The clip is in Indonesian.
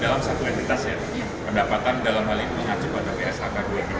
dalam satu entitas ya pendapatan dalam hal ini mengacu pada pshk dua tiga